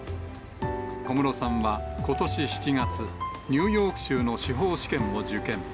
小室さんはことし７月、ニューヨーク州の司法試験を受検。